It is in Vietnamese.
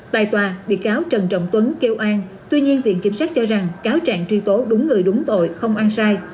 tại tòa bị cáo trần trọng tuấn kêu an tuy nhiên viện kiểm sát cho rằng cáo trạng truy tố đúng người đúng tội không ăn sai